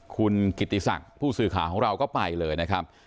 คุณกิติศักดิ์ผู้สื่อข่าวของเราก็ไปเลยนะครับ